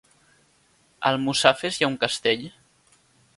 A Almussafes hi ha un castell?